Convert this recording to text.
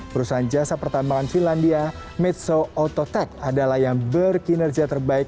perusahaan jasa pertambangan finlandia medso autotech adalah yang berkinerja terbaik